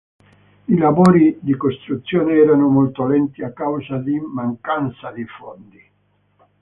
I lavori di costruzione erano molto lenti a causa di mancanza di fondi.